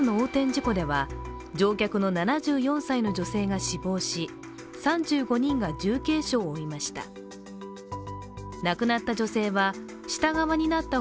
事故では乗客の７４歳の女性が死亡し、３５人が重軽傷を負いました。